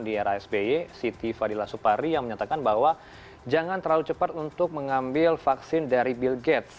di era sby siti fadila supari yang menyatakan bahwa jangan terlalu cepat untuk mengambil vaksin dari bill gate